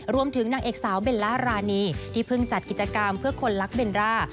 รวมถึงนางเอกสาวเบนร่ารานีที่พึ่งจัดกิจกรรมเพื่อคนลักเบนร่า